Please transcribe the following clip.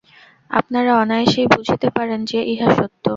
আপনারা অনায়াসেই বুঝিতে পারেন যে, ইহা সত্য।